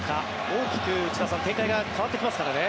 大きく、内田さん展開が変わってきますからね。